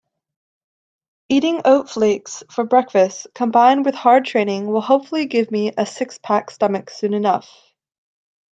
Eating oat flakes for breakfast combined with hard training will hopefully give me a six-pack stomach soon enough.